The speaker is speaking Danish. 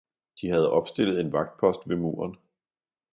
De havde opstillet en vagtpost ved muren.